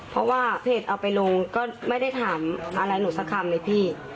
เพราะว่าเพจเอาไปลงก็ไม่ได้ถามอะไรหนูสักคำเลยพี่